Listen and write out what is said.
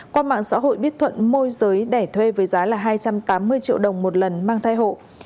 qua mạng xã hội bích thuận môi giới đẻ thuê với giá là hai trăm tám mươi triệu đồng một lần mang thai hộ